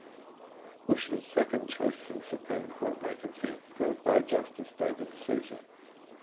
Bush's second choice for the Supreme Court vacancy filled by Justice David Souter.